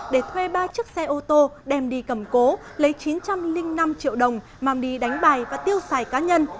để thuê ba chiếc xe ô tô đem đi cầm cố lấy chín trăm linh năm triệu đồng mang đi đánh bài và tiêu xài cá nhân